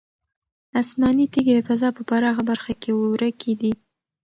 آسماني تیږې د فضا په پراخه برخه کې ورکې دي.